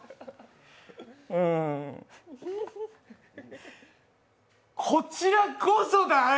うんこちらこそだよ！